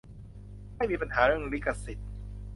ไม่มีปัญหาเรื่องลิขสิทธิ์